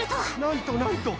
なんとなんと。